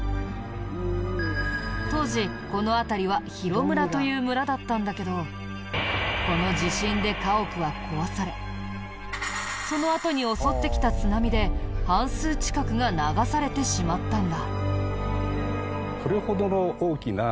当時この辺りは広村という村だったんだけどこの地震で家屋は壊されそのあとに襲ってきた津波で半数近くが流されてしまったんだ。